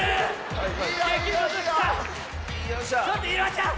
ちょっといろはちゃん！